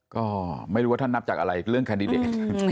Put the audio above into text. ก็ไม่รู้ว่าท่านนับจากอะไรเรื่องแคนดิเดต